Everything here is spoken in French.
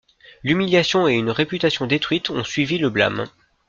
L'humiliation et une réputation détruite ont suivi le blâme.